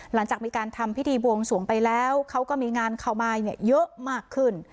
หลังจากมีการทำพิธีบวงสวงไปแล้วเขาก็มีงานเข้ามายเยอะมากขึ้น